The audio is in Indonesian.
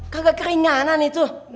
kagak keringanan itu